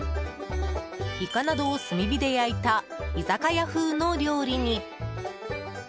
イカなどを炭火で焼いた居酒屋風の料理に。